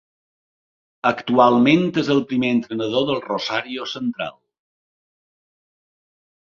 Actualment és el primer entrenador del Rosario Central.